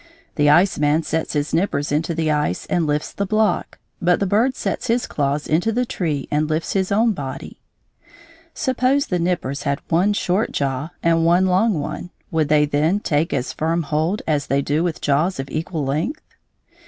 The iceman sets his nippers into the ice and lifts the block; but the bird sets his claws into the tree and lifts his own body. Suppose the nippers had one short jaw and one long one, would they then take as firm hold as they do with jaws of equal length?